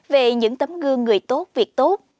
về những tấm gương người tốt việc tốt